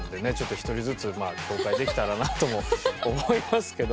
一人ずつ紹介できたらなと思いますけども。